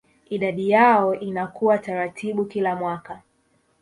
Idadi yao inakuwa taratibu kila mwaka